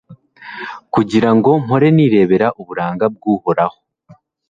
kugira ngo mpore nirebera uburanga bw’Uhoraho